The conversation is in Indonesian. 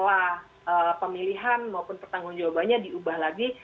jangan jangan nanti sekalian presidennya pola pemilihan maupun pertanggung jawabannya diubah lagi